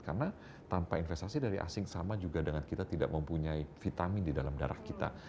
karena tanpa investasi dari asing sama juga dengan kita tidak mempunyai vitamin di dalam darah kita